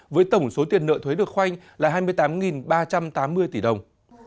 với tổng số tiền nợ thuế được khoanh là hai mươi tám ba trăm tám mươi tỷ đồng